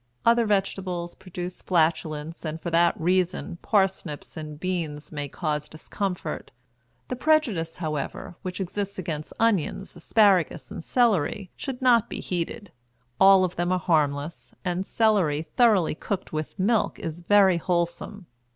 Other vegetables produce flatulence, and for that reason parsnips and beans may cause discomfort. The prejudice, however, which exists against onions, asparagus, and celery should not be heeded; all of them are harmless, and celery thoroughly cooked with milk is very wholesome.